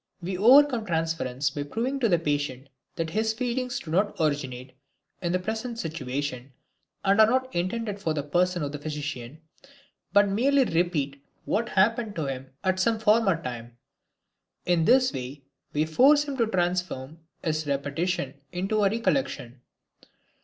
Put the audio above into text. We overcome transference by proving to the patient that his feelings do not originate in the present situation, and are not intended for the person of the physician, but merely repeat what happened to him at some former time. In this way we force him to transform his repetition into a recollection.